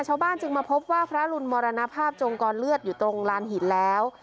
ชาวบ้านจึงมาพบว่าพระรุนมรณภาพจงกรเลือดอยู่ตรงลานหินแล้ว